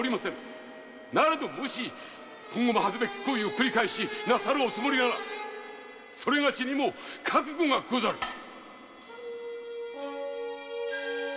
〔なれどもし今後も恥ずべき行為をくり返しなさるおつもりなら某にも覚悟がござる！〕